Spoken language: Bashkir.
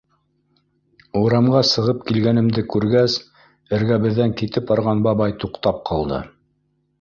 Урамға сығып килгәнгемде күргәс, эргәбеҙҙән китеп барған бабай туҡтап ҡалды.